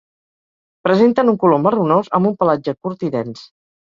Presenten un color marronós amb un pelatge curt i dens